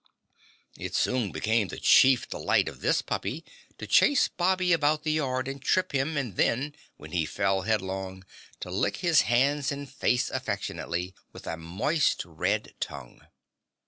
It soon became the chief delight of this puppy to chase Bobby about the yard and trip him and then, when he fell headlong, to lick his hands and face affectionately with a moist, red tongue.